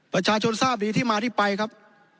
ประชาชนทราบดีที่มาที่ไปครับ